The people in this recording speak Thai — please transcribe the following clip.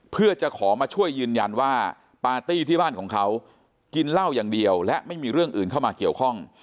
เพื่อจะขอมาช่วยยืนยันว่าปาร์ตี้ที่บ้านของเขากินเหล้าอย่างเดียวและไม่มีเรื่องอื่นเข้ามาเกี่ยวข้อง